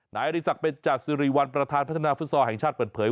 นายอริสักเบนจัดสิริวัลประธานพัฒนาฟุตซอลแห่งชาติเปิดเผย